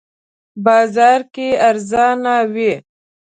بازار کې ارزانه وی